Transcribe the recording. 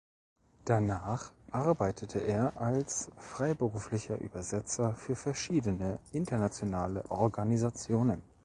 Danach arbeitete er als freiberuflicher Übersetzer für verschiedene internationale Organisationen.